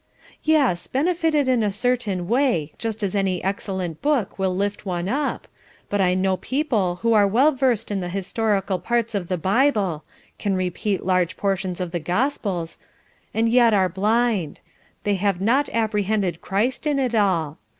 "Yes, benefited in a certain way, just as any excellent book will lift one up, but I know people who are well versed in the historical parts of the Bible can repeat large portions of the Gospels, and yet are blind; they have not apprehended Christ in it all.